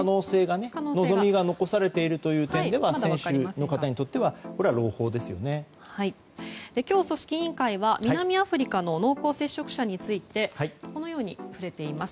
可能性が望みが残されているという点では選手にとっては今日組織委員会は南アフリカの濃厚接触者についてこのように触れています。